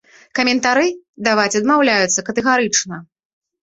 Каментары даваць адмаўляюцца катэгарычна.